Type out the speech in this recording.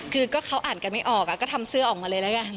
คือก็เขาอ่านกันไม่ออกก็ทำเสื้อออกมาเลยแล้วกัน